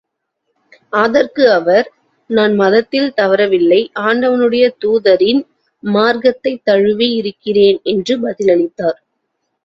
ஆதற்கு அவர், நான் மதத்தில் தவறவில்லை ஆண்டவனுடைய தூதரின் மார்க்கத்தைத் தழுவி இருக்கிறேன் என்று பதில் அளித்தார்.